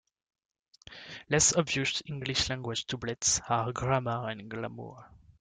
Less-obvious English-language doublets are "grammar" and "glamour".